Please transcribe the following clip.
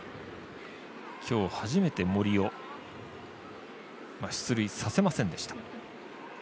今日初めて森を出塁させませんでした。